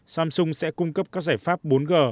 samsung sẽ cung cấp các giải pháp bốn g